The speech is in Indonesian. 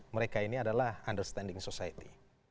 mereka ini adalah understanding society